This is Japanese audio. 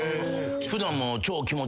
普段も。